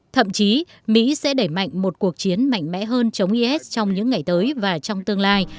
thậm chí mỹ sẽ đẩy mạnh một cuộc chiến mạnh mẽ hơn chống is trong những ngày tới và trong tương lai